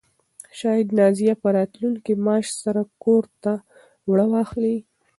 شاید نازیه په راتلونکي معاش سره کور ته اوړه واخلي.